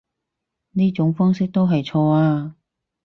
呢種方式都係錯啊